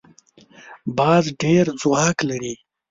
باز ډېر ځواک لري